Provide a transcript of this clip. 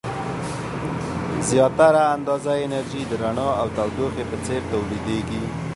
زیاتره اندازه انرژي د رڼا او تودوخې په څیر تولیدیږي.